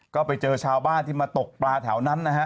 ก็ไปเจอชาวบ้านที่มาตกปลาแถวนั้นนะฮะ